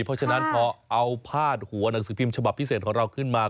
เพราะฉะนั้นพอเอาพาดหัวหนังสือพิมพ์ฉบับพิเศษของเราขึ้นมา